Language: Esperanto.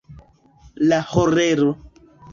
La horero.